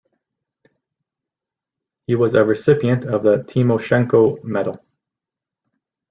He was a recipient of the Timoshenko Medal.